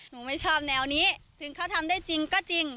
ไม่ชอบแนวนี้ถึงเขาทำได้จริงก็จริง